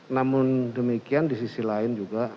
namun demikian di sisi lain juga